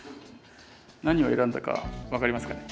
何を選んだか分かりますかね？